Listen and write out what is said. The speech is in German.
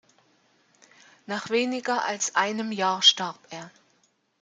Nach weniger als einem Jahr starb er.